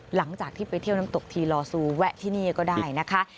หลังจากที่ไปเที่ยวน้ำตกทีลอซูแวะที่นี่ก็ได้นะคะ